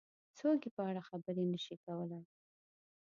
څوک یې په اړه خبرې نه شي کولای.